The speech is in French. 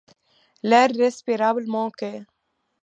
L’air respirable manquait.